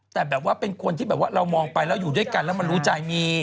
แต่แบบว่าเป็นคนที่แบบว่าเรามองไปแล้วอยู่ด้วยกันแล้วมันรู้ใจมี